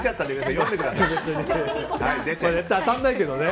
当たらないけどね。